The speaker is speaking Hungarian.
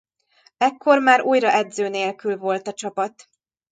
Ekkor már újra edző nélkül volt a csapat.